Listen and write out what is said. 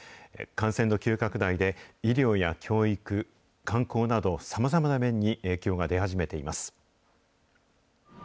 感染の急拡大で、医療や教育、観光など、さまざまな面に影響が出始めています。